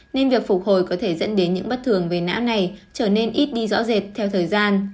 nên việc phục hồi có thể dẫn đến những bất thường về não này trở nên ít đi rõ rệt theo thời gian